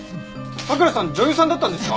佐倉さん女優さんだったんですか？